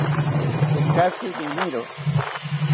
Tekatzi riniro